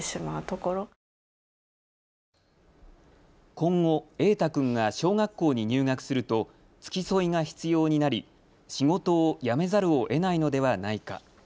今後、瑛太君が小学校に入学すると付き添いが必要になり仕事を辞めざるをえないのではないか。